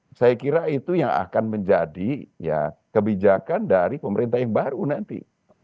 nah saya kira itu yang akan menjadi kebijakan dari pemerintah yang baru nanti